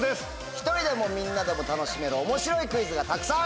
１人でもみんなでも楽しめる面白いクイズがたくさん！